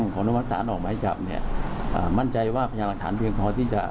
อนุมัติศาลออกหมายจับเนี่ยมั่นใจว่าพยานหลักฐานเพียงพอที่จะ